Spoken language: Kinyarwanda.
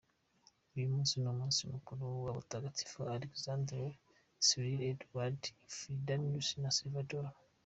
Uyu munsi ni umunsi mukuru w’abatagatifu Alexandre, Cyril, Edward, Fridanius na Salvator.